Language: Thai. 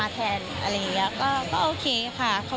แทนอะไรอย่างนี้ก็โอเคค่ะ